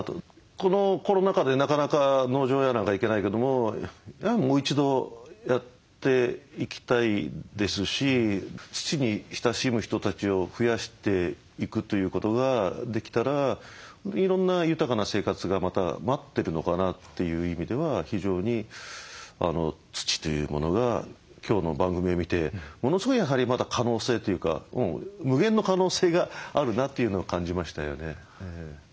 このコロナ禍でなかなか農場や何か行けないけどもやはりもう一度やっていきたいですし土に親しむ人たちを増やしていくということができたらいろんな豊かな生活がまた待ってるのかなという意味では非常に土というものが今日の番組を見てものすごいやはりまだ可能性というか無限の可能性があるなというのを感じましたよね。